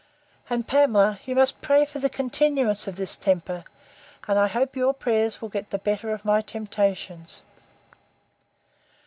And, Pamela, you must pray for the continuance of this temper; and I hope your prayers will get the better of my temptations.